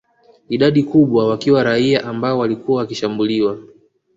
Idadi kubwa wakiwa raia ambao walikuwa wakishambuliwa